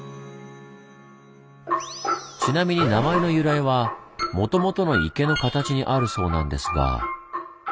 ちなみに名前の由来はもともとの池の形にあるそうなんですが。